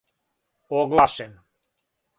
оглашен